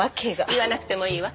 言わなくてもいいわ。